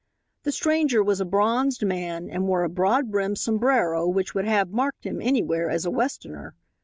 The stranger was a bronzed man and wore a broad brimmed sombrero which would have marked him anywhere as a Westerner.